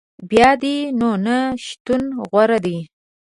بیا دي نو نه شتون غوره دی